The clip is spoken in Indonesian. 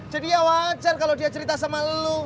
jadi ya wajar kalo dia cerita sama elu